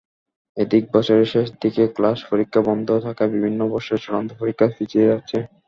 এদিকে বছরের শেষ দিকে ক্লাস-পরীক্ষা বন্ধ থাকায় বিভিন্ন বর্ষের চূড়ান্ত পরীক্ষা পিছিয়ে যাচ্ছে।